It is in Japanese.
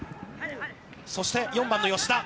そして、４番の吉田。